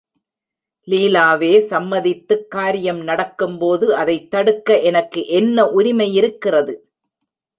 லீலாவே சம்மதித்துக் காரியம் நடக்கும்போது அதைத் தடுக்க எனக்கு என்ன உரிமையிருக்கிறது?